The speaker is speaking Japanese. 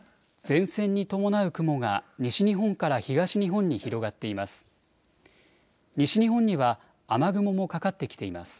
前線に伴う雲が西日本から東日本に広がっています。